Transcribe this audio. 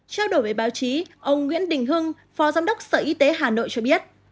trao đổi với báo chí ông nguyễn đình hưng phó giám đốc sở y tế hà nội cho biết